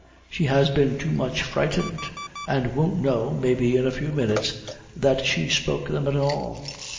She has been too much frightened, and won't know, maybe in a few minutes, that she spoke them at all."